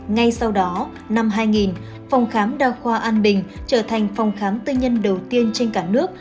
ngay sau đó năm hai nghìn phòng khám đa khoa an bình trở thành phòng khám tư nhân đầu tiên trên cả nước